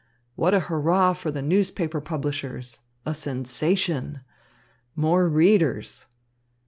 What a hurrah for the newspaper publishers! A sensation! More readers!